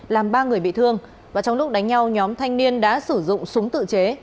làm ba người bị thương và trong lúc đánh nhau nhóm thanh niên đã sử dụng súng tự chế